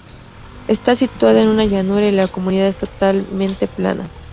Esta situada en una llanura y la comunidad es totalmente plana.